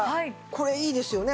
これいいですよね。